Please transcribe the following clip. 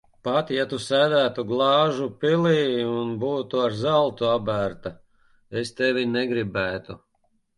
Pat ja Tu sēdētu glāžu pilī un būtu ar zeltu apbērta, es tevi negribētu.